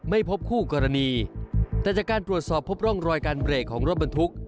ไม่พบคู่กรณีแต่จากการตรวจสอบพบร่องรอยการเบรกของรถบรรทุก